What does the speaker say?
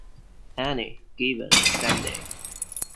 "Any Given Sunday"